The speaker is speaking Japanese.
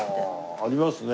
ありますね。